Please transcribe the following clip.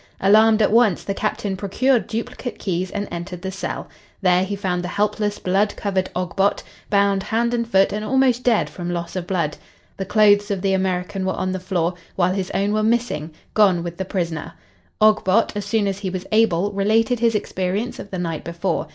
Alarmed at once, the Captain procured duplicate keys and entered the cell. There he found the helpless, blood covered Ogbot, bound hand and foot and almost dead from loss of blood. The clothes of the American were on the floor, while his own were missing, gone with the prisoner. Ogbot, as soon as he was able, related his experience of the night before.